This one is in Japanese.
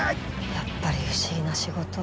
やっぱり不思議な仕事。